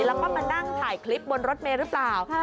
แล้วก็มานั่งถ่ายคลิปบนรถเมย์หรือเปล่า